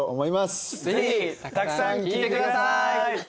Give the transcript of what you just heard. ぜひたくさん聴いてください！